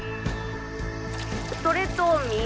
それと水！